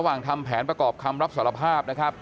แต่ว่าวินนิสัยดุเสียงดังอะไรเป็นเรื่องปกติอยู่แล้วครับ